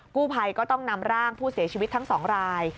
กู้ภัยก็ต้องนำร่างผู้เสียชีวิตทั้ง๒ราย